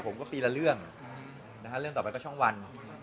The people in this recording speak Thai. ปีละเรื่องเรื่องต่อไปก็ช่องวัน